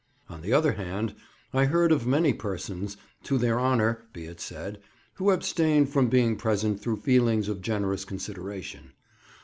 On the other hand, I heard of many persons—to their honour, be it said—who abstained from being present through feelings of generous consideration.